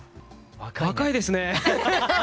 若いですね！